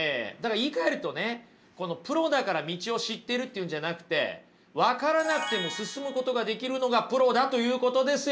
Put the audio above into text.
言いかえるとねプロだから道を知ってるっていうんじゃなくて分からなくても進むことができるのがプロだということですよ